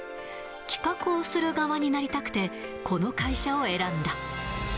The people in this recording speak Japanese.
企画をする側になりたくて、この会社を選んだ。